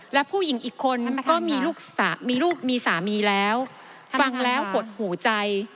และผู้หญิงอีกคนก็มีลูกมีลูกมีสามีแล้วฟังแล้วหดหูใจ